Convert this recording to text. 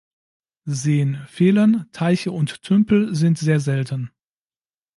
Seen fehlen, Teiche und Tümpel sind sehr selten.